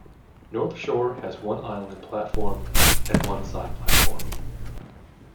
North Shore has one island platform and one side platform.